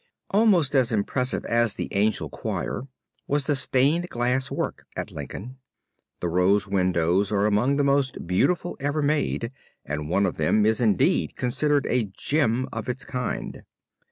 Almost as impressive as the Angel Choir was the stained glass work at Lincoln. The rose windows are among the most beautiful ever made and one of them is indeed considered a gem of its kind.